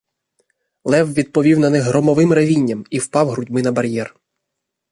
Лев відповів на них громовим ревінням і впав грудьми на бар'єр.